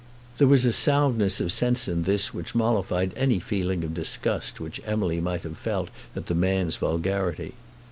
There was a soundness of sense in this which mollified any feeling of disgust which Emily might have felt at the man's vulgarity.